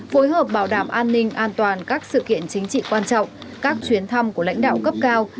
phối hợp bảo đảm an ninh an toàn các sự kiện chính trị quan trọng các chuyến thăm của lãnh đạo cấp cao